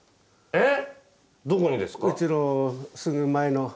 えっ？